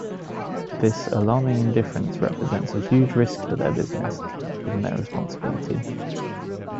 This alarming indifference represents a huge risk to their business, given their responsibility.